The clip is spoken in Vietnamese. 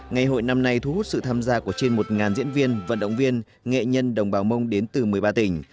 ngày hội năm nay thu hút sự tham gia của trên một diễn viên vận động viên nghệ nhân đồng bào mông đến từ một mươi ba tỉnh